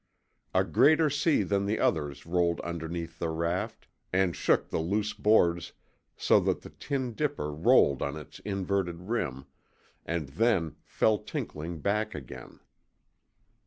A greater sea than the others rolled underneath the raft, and shook the loose boards so that the tin dipper rolled on its inverted rim, and then fell tinkling back again.